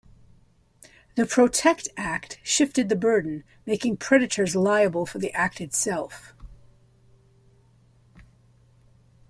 The Protect Act shifted the burden, making predators liable for the act itself.